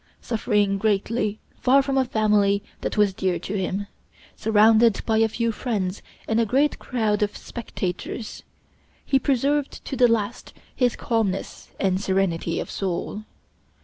Suffering greatly, far from a family that was dear to him, surrounded by a few friends and a great crowd of spectators, he preserved to the last his calmness and serenity of soul.